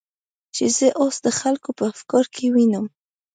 چې زه اوس د خلکو په افکارو کې وینم.